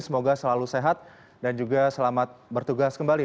semoga selalu sehat dan juga selamat bertugas kembali